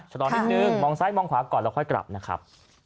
ชะลอนิดนึงมองซ้ายมองขวาก่อนแล้วค่อยกลับนะครับ